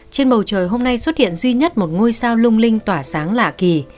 trên bầu trời hôm nay xuất hiện duy nhất một ngôi sao lung linh tỏa sáng lạ kỳ